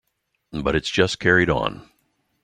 But it's just carried on.